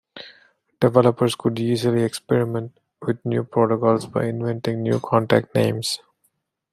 Developers could easily experiment with new protocols by inventing new contact names.